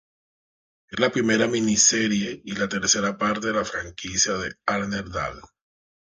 Es la primera miniserie y la tercera parte de la franquicia de Arne Dahl.